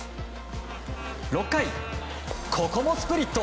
６回、ここもスプリット！